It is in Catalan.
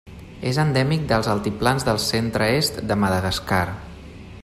És endèmic dels altiplans del centre-est de Madagascar.